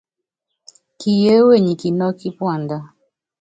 Kiyeéwe nyi kinɔ́kɔ́ kípuandá ɔ́kusɔt.